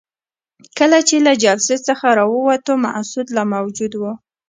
کله چې له جلسې څخه راووتو مسعود لا موجود وو.